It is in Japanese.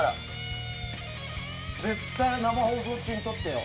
絶対生放送中にとってよ。